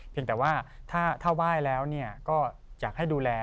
แต่ว่าถ้าไหว้แล้วก็อยากให้ดูแล